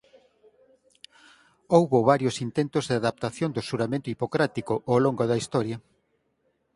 Houbo varios intentos de adaptación do xuramento hipocrático ao longo da historia.